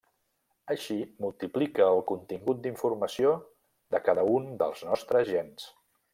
Així, multiplica el contingut d'informació de cada un dels nostres gens.